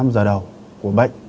bốn năm giờ đầu của bệnh